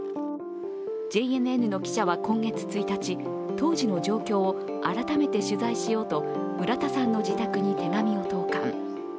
ＪＮＮの記者は今月１日、当時の状況を改めて取材しようと村田さんの自宅に手紙を投かん。